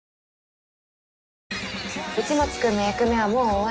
市松君の役目はもう終わり。